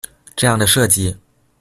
這樣的設計